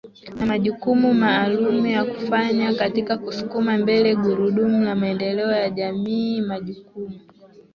na majukumu maalum ya kufanya katika kusukuma mbele gurudumu la maendeleo ya jamii Majukumu